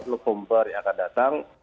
november yang akan datang